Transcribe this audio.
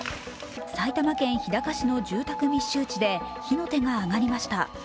埼玉県日高市の住宅密集地で火の手が上がりました。